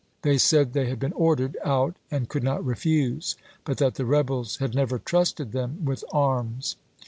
They said they had been ordered out and could not refuse ; but that the rebels had never trusted them with arms.